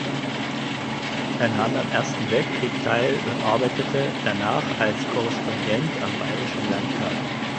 Er nahm am Ersten Weltkrieg teil und arbeitete danach als Korrespondent am Bayerischen Landtag.